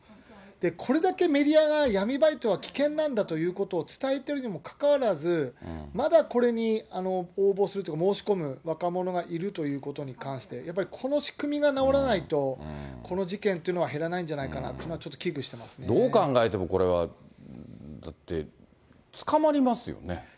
これだけメディアが闇バイトは危険なんだということを伝えているのにもかかわらず、まだこれに応募するっていうか、申し込む若者がいるということに関して、やっぱりこの仕組みが直らないと、この事件というのは減らないんじゃないかなと、ちょっと危惧してどう考えても、これはだって捕まります。